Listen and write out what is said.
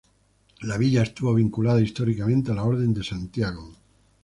La villa estuvo vinculada históricamente a la Orden de Santiago.